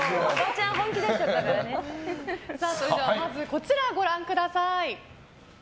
それでは、まずはこちらをご覧ください。